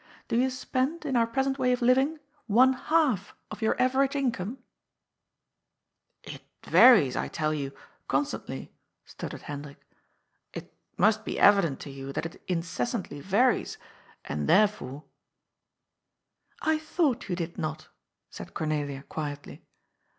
Do you spend, in our present way of living, one half of your average income ?"" It varies, I tell you, constantly," stuttered Hendrik. " It must be evident to you that it incessantly varies. And therefore "" I thought you did not," said Cornelia quietly.